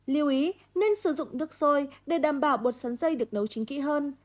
lưu ý nên sử dụng nước sôi để đảm bảo bột sắn dây được nấu chính kỹ hơn